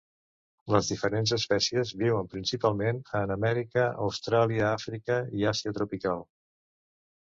Les diferents espècies viuen principalment en Amèrica, Austràlia, Àfrica i Àsia tropical.